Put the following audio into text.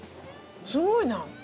すごいな。